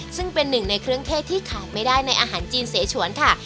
ซึ่งเป็นหนึ่งในเครื่องเทศที่ขายไม่ได้ในอาหารจีนเสชวนค่ะ